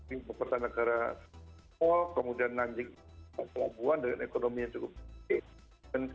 ini pertanegara small kemudian nanjing kemampuan dengan ekonominya cukup tinggi